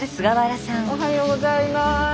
おはようございます。